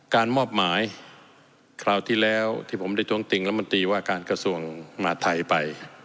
การมอบหมายคราวที่แล้วที่ผมได้ท้วงติงรัฐมนตรีว่าการกระทรวงมหาทัยไป